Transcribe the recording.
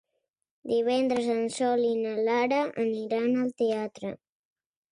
Divendres en Sol i na Lara aniran al teatre.